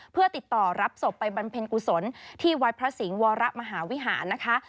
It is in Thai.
เพื่อติดต่อรับศพไปบำเพ็ญกุศลที่วัดพระสิงห์วรมหาวิหารนะคะ